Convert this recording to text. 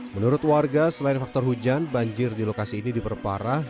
menurut warga selain faktor hujan banjir di lokasi ini diperparah